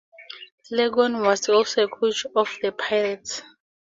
Cleghorn was also a coach of the Pirates.